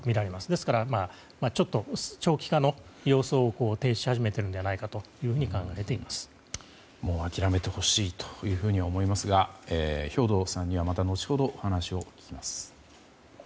ですから、ちょっと長期化の様相を呈し始めているんじゃないかともう諦めてほしいと思いますが、兵頭さんにはまた後ほど、お話を聞きます。